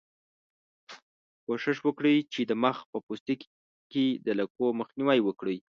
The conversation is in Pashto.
کوښښ وکړئ چې د مخ په پوستکي کې د لکو مخنیوی وکړئ.